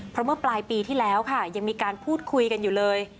เพราะเมื่อปลายปีที่แล้วค่ะยังมีการพูดคุยกันอยู่เลย